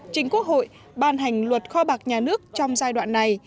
chính quốc hội ban hành luật kho bạc nhà nước trong giai đoạn này